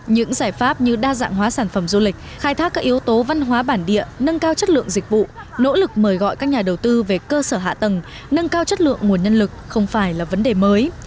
những giải pháp như đa dạng hóa sản phẩm du lịch khai thác các yếu tố văn hóa bản địa nâng cao chất lượng dịch vụ nỗ lực mời gọi các nhà đầu tư về cơ sở hạ tầng nâng cao chất lượng nguồn nhân lực không phải là vấn đề mới